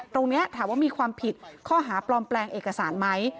ตรงนี้ถามว่ามีความผิดข้อหาปลอมแปลงเอกสารไหม